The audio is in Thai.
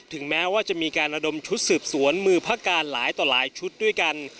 แม้ว่าจะมีการระดมชุดสืบสวนมือพระการหลายต่อหลายชุดด้วยกัน